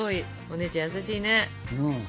お姉ちゃん優しいね。